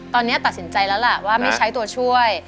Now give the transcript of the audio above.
ตอนนี้ตัดสินใจแล้วล่ะว่าไม่ใช้ตัวช่วย